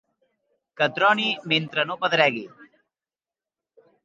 Que troni, mentre no pedregui.